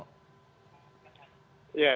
ya terima kasih